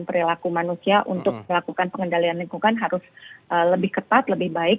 perilaku manusia untuk melakukan pengendalian lingkungan harus lebih ketat lebih baik